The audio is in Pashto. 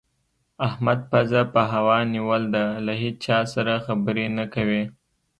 احمد پزه په هوا نيول ده؛ له هيچا سره خبرې نه کوي.